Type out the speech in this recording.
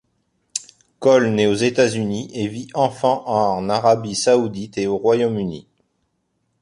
Cole naît aux États-Unis et vit enfant en Arabie Saoudite et au Royaume-Uni.